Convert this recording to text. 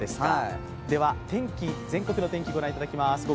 では全国の天気御覧いただきます。